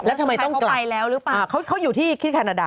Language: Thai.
เอ่อด์